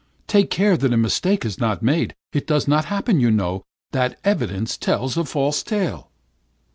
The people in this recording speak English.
Take care that a mistake is not made; it does happen, you know, that evidence tells a false tale.